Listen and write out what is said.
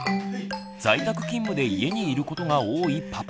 在宅勤務で家にいることが多いパパ。